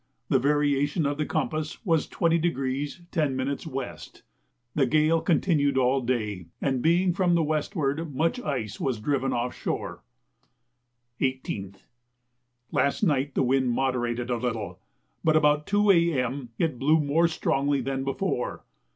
The variation of the compass was 20° 10' W. The gale continued all day, and being from the westward much ice was driven off shore. 18th. Last night the wind moderated a little, but about 2 A.M. it blew more strongly than before.